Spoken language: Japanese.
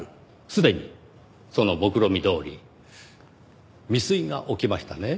すでにそのもくろみどおり未遂が起きましたね。